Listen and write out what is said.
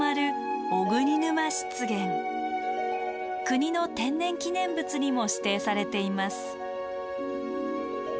国の天然記念物にも指定されています。